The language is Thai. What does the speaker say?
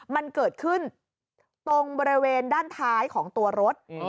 มันเกิดขึ้นตรงบริเวณด้านท้ายของตัวรถ